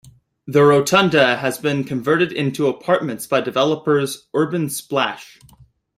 The Rotunda has been converted into apartments by developers Urban Splash.